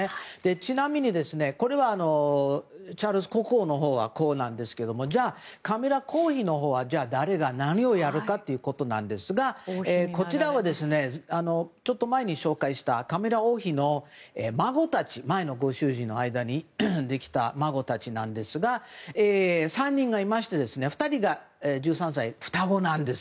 ちなみに、これはチャールズ国王のほうですけどじゃあ、カミラ王妃のほうは誰が何をやるかということですがこちらは、ちょっと前に紹介したカミラ王妃の前のご主人の間にできた孫たちなんですが３人がいまして２人が１３歳、双子なんです。